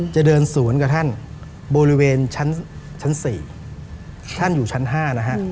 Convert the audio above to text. จะเดินสวนกับท่านบริเวณชั้น๔ท่านอยู่ชั้น๕นะฮะ